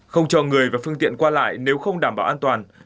không cho người và phương tiện qua lại nếu không đảm bảo an toàn